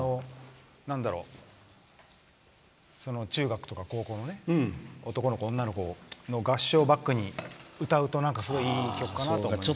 中学とか高校の男の子、女の子の合唱をバックに歌うとすごくいい曲かなと思いました。